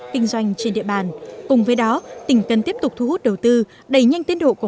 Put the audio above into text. kinh doanh trên địa bàn cùng với đó tỉnh cần tiếp tục thu hút đầu tư đẩy nhanh tiến độ của